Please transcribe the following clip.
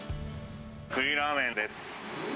栗ラーメンです。